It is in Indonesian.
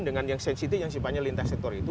dengan yang sensitif yang sifatnya lintas sektor itu